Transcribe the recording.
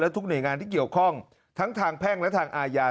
ทุกหน่วยงานที่เกี่ยวข้องทั้งทางแพ่งและทางอาญา